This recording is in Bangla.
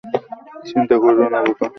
চিন্তা কইরো না, বোকা নাকি আমি।